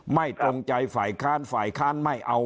ตรงใจฝ่ายค้านฝ่ายค้านไม่เอา